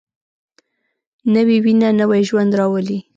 نوې وینه نوی ژوند راولي